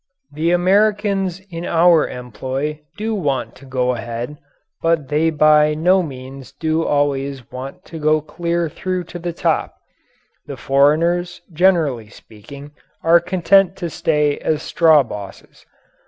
The Americans in our employ do want to go ahead, but they by no means do always want to go clear through to the top. The foreigners, generally speaking, are content to stay as straw bosses.